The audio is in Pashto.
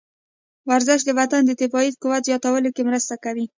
ورزش د بدن د دفاعي قوت زیاتولو کې مرسته کوي.